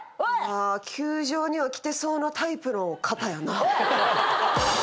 あ球場には来てそうなタイプの方やな。